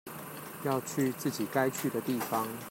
要去自己該去的地方